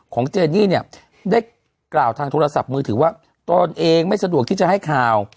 เจนี่เนี่ยได้กล่าวทางโทรศัพท์มือถือว่าตนเองไม่สะดวกที่จะให้ข่าว